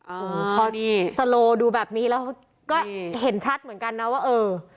โอ้โหพอนี่สโลดูแบบนี้แล้วก็เห็นชัดเหมือนกันนะว่าเออ